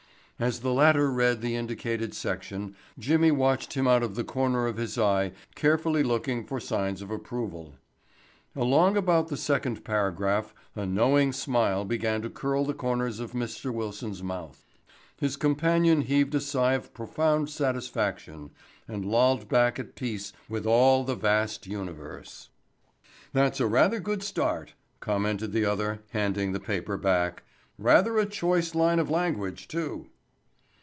As the latter read the indicated section Jimmy watched him out of the corner of his eye carefully looking for signs of approval. Along about the second paragraph a knowing smile began to curl the corners of Mr. Wilson's mouth. His companion heaved a sigh of profound satisfaction and lolled back at peace with all the vasty universe. "That's a pretty good start," commented the other handing the paper back. "Rather a choice line of language, too."